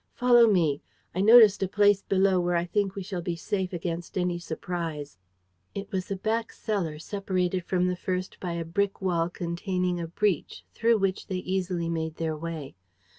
Follow me. I noticed a place below where I think we shall be safe against any surprise." It was a back cellar separated from the first by a brick wall containing a breach through which they easily made their way.